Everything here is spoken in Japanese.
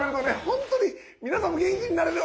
本当に皆さんも元気になれる。